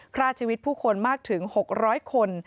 ฆ่าชีวิตผู้คนมากถึงหกร้อยคน